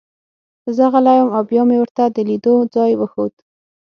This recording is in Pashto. زه غلی وم او بیا مې ورته د لیدو ځای وښود